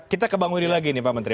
kita ke bang willy lagi nih pak menteri